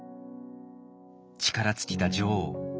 力尽きた女王。